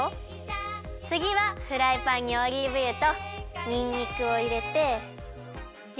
つぎはフライパンにオリーブ油とにんにくをいれてよ